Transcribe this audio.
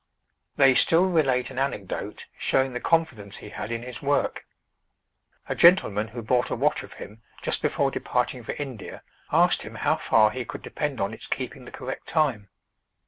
They still relate an anecdote showing the confidence he had in his work. A gentleman who bought a watch of him just before departing for India, asked him how far he could depend on its keeping the correct time.